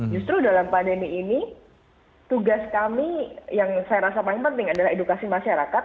justru dalam pandemi ini tugas kami yang saya rasa paling penting adalah edukasi masyarakat